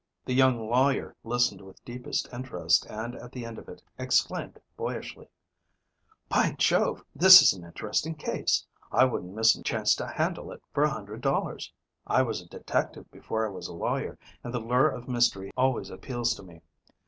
The young lawyer listened with deepest interest, and at the end of it exclaimed boyishly: "By Jove, this is an interesting case. I wouldn't miss a chance to handle it for a hundred dollars. I was a detective before I was a lawyer, and the lure of mystery always appeals to me.